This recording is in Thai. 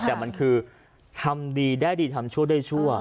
แต่มันคือทำดีได้ดีทำชั่วได้ชั่ว